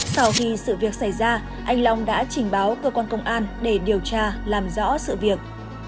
sau khi sự việc xảy ra anh long đã trình báo cơ quan công an để điều tra làm rõ sự việc